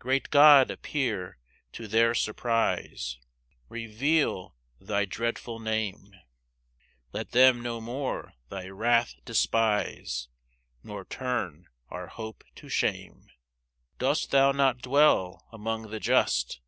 2 Great God appear to their surprise, Reveal thy dreadful name; Let them no more thy wrath despise, Nor turn our hope to shame. 3 Dost thou not dwell among the just?